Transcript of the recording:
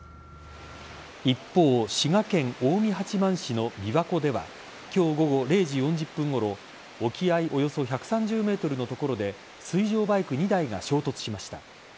一方滋賀県近江八幡市の琵琶湖では今日午後０時４０分ごろ沖合およそ１３０ｍの所で水上バイク２台が衝突しました。